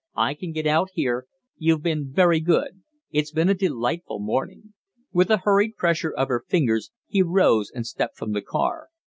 "I can get out here. You've been very good. It's been a delightful morning." With a hurried pressure of her fingers he rose and stepped from the car.